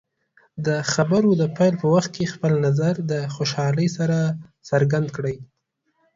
د خبرو د پیل په وخت کې خپل نظر د خوشحالۍ سره څرګند کړئ.